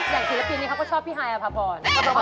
อย่างศิลปินที่เขาก็ชอบพี่ไฮอภาพร